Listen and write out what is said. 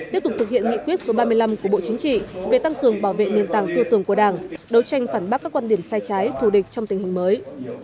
tiếp tục thực hiện nghị quyết số ba mươi năm của bộ chính trị về tăng cường bảo vệ nền tảng tư tưởng của đảng đấu tranh phản bác các quan điểm sai trái thù địch trong tình hình mới